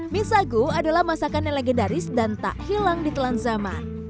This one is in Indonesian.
misago adalah masakan yang legendaris dan tak hilang di telan zaman